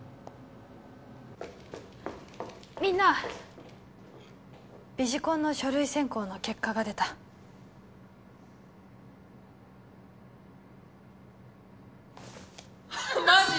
みんなビジコンの書類選考の結果が出たマジ？